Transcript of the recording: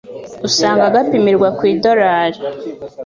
Usanga gapimirwa ku idolari